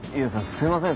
すいません。